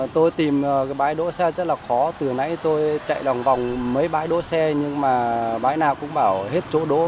tôi tìm cái bãi đỗ xe rất là khó từ nãy tôi chạy đồng vòng mấy bãi đỗ xe nhưng mà bãi nào cũng bảo hết chỗ đỗ